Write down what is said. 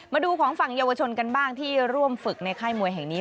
มาดูของฝั่งเยาวชนกันบ้างที่ร่วมฝึกในค่ายมวยแห่งนี้